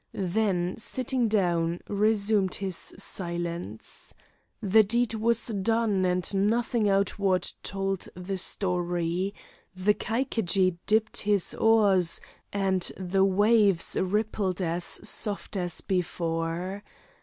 Then, sitting down, resumed his silence. The deed was done, and nothing outward told the story; the Caiquedji dipped his oars, and the waves rippled as soft as before.